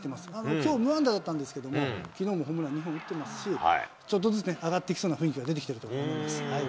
きょう無安打になったんですけれども、きのうもホームラン２本打ってますし、ちょっとずつ上がってきそうな雰囲気は出てきていると思います。